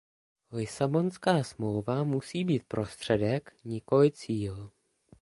Lisabonská smlouva musí být prostředek, nikoli cíl.